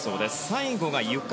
最後がゆか。